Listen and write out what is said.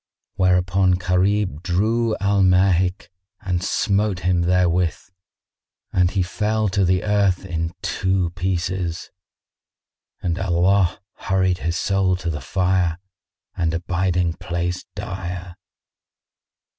Whereupon Gharib drew Al Mahik and smote him therewith and he fell to the earth in two pieces, and Allah hurried his soul to the fire and abiding place dire.